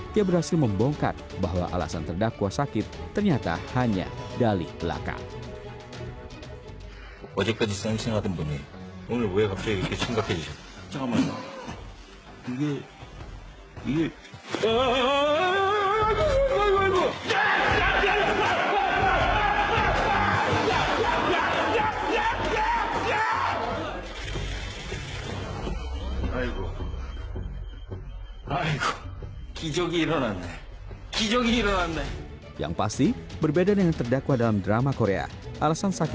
dia berhasil membongkat bahwa alasan perdakwa sakit ternyata hanya dali belakang